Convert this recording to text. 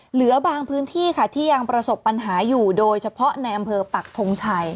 เหลือบางพื้นที่ค่ะที่ยังประสบปัญหาอยู่โดยเฉพาะในอำเภอปักทงชัย